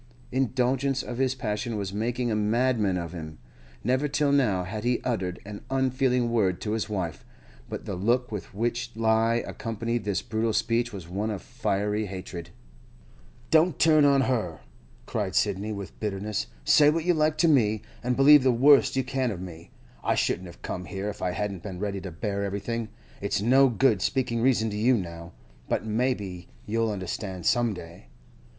Indulgence of his passion was making a madman of him. Never till now had he uttered an unfeeling word to his wife, but the look with which he accompanied this brutal speech was one of fiery hatred. 'Don't turn on her!' cried Sidney, with bitterness. 'Say what you like to me, and believe the worst you can of me; I shouldn't have come here if I hadn't been ready to bear everything. It's no good speaking reason to you now, but maybe you'll understand some day.